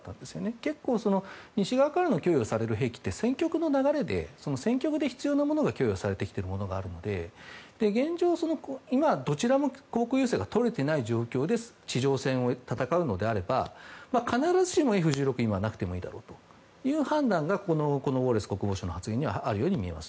結構、西側から供与される兵器って戦局で必要なものが供与されているものがあるので現状、今、どちらも航空優勢がとれていない情勢で地上戦を戦うのであれば必ずしもＦ１６が今はなくてもいいだろうという判断がこのウォレス国防相の発言にはあるようにみえます。